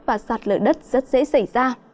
và sạt lở đất rất dễ xảy ra